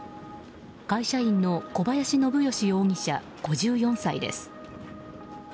会社員の小林信義容疑者５４歳です。